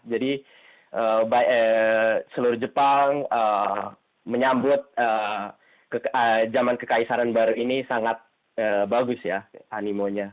jadi seluruh jepang menyambut zaman kekaisaran baru ini sangat bagus ya animonya